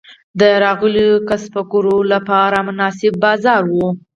د راغلیو کسبګرو لپاره مناسب بازار و.